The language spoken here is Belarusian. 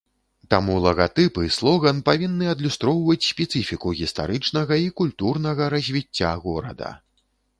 Таму лагатып і слоган павінны адлюстроўваць спецыфіку гістарычнага і культурнага развіцця горада.